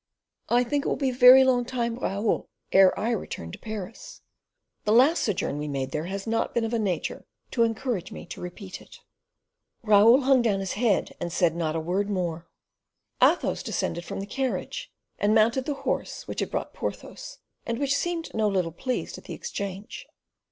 "I think it will be a very long time, Raoul, ere I return to Paris. The last sojourn we have made there has not been of a nature to encourage me to repeat it." Raoul hung down his head and said not a word more. Athos descended from the carriage and mounted the horse which had brought Porthos, and which seemed no little pleased at the exchange.